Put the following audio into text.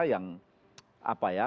yang apa ya